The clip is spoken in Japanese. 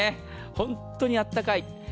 本当にあったかい。